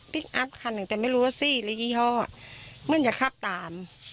อัพคันหนึ่งแต่ไม่รู้ว่าซี่หรือยี่ห้อเหมือนจะขับตาม